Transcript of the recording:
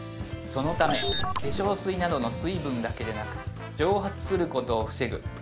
そのため化粧水などの水分だけでなく蒸発することを防ぐ